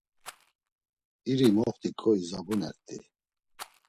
İri moxt̆iǩo izabunert̆i.